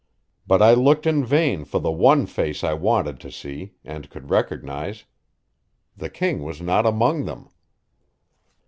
But I looked in vain for the one face I wanted to see and could recognize; the king was not among them.